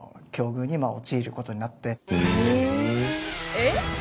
えっ？